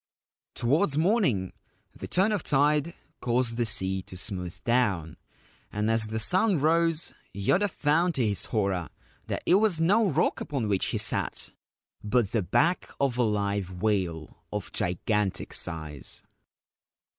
Towards morning the turn of tide caused the sea to smooth down, and as the sun rose Yoda found to his horror that it was no rock upon which he sat, but the back of a live whale of gigantic size.